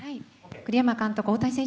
栗山監督、大谷選手